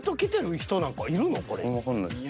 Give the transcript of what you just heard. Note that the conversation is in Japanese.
わかんないっす。